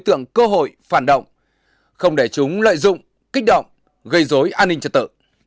tượng cơ hội phản động không để chúng lợi dụng kích động gây dối an ninh trật tự